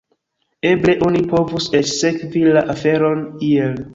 Eble oni povus eĉ sekvi la aferon iel.